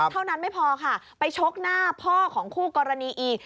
เท่านั้นไม่พอค่ะไปชกหน้าพ่อของคู่กรณีอีก